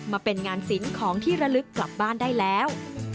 มาเป็นงานสินของที่ระลึกกลับบ้านได้แล้ว